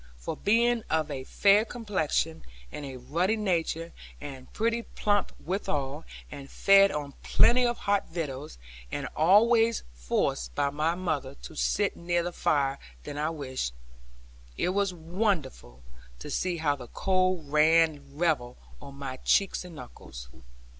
For being of a fair complexion, and a ruddy nature, and pretty plump withal, and fed on plenty of hot victuals, and always forced by my mother to sit nearer the fire than I wished, it was wonderful to see how the cold ran revel on my cheeks and knuckles.